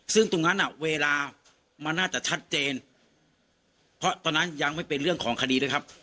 ซึ่งตรงนั้นน่ะเวลามันน่าจะชัดเจนเพราะตอนนั้นยังไม่เป็นเรื่องของคดีด้วยครับ